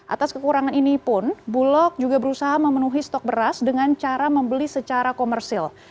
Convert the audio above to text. atas kekurangan ini pun bulog juga berusaha memenuhi stok beras dengan cara membeli secara komersil